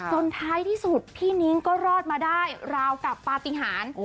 ท้ายที่สุดพี่นิ้งก็รอดมาได้ราวกับปฏิหาร